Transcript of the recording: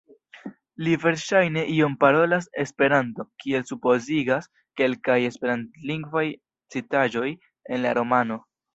Li verŝajne iom parolas Esperanton, kiel supozigas kelkaj esperantlingvaj citaĵoj en la romano.